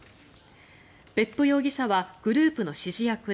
別府容疑者はグループの指示役で